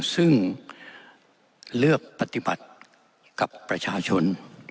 ซึ่งเลือกปฏิบัติกับประชาชน